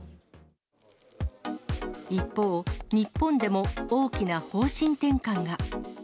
一方、日本でも大きな方針転換が。